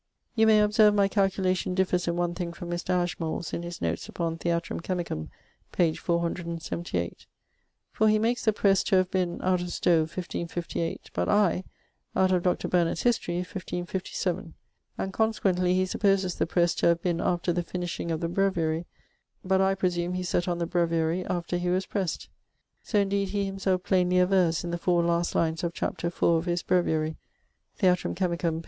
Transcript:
You may observe my calculation differs in one thing from Mr. Ashmole's in his notes upon Theatrum Chemicum, p. 478: for he makes 'the presse' to have been (out of Stowe) 1558, but I (out of Dr. Burnet's History) 1557; and consequently he supposes the presse to have been after the finishing of the Breviary, but I presume he set on the Breviary after he was pressed. So indeed he himselfe plainly averres in the 4 last lines of chapter 4 of his Breviary (Theatrum Chemicum, p.